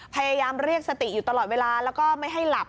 พยายามเรียกสติอยู่ตลอดเวลาแล้วก็ไม่ให้หลับ